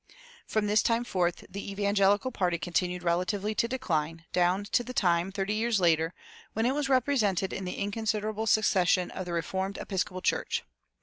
From this time forth the "Evangelical" party continued relatively to decline, down to the time, thirty years later, when it was represented in the inconsiderable secession of the "Reformed Episcopal Church."